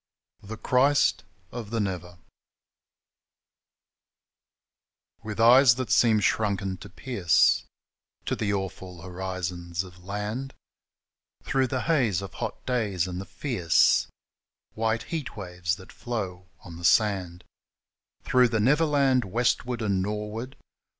THE CHRIST OF THE ' NEVER ' WITH eyes that seem shrunken to pierce To the awful horizons of land, Through the haze of hot days, and the fierce White heat waves that flow on the sand ; Through the Never Land westward and nor'ward